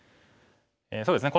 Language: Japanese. そうですね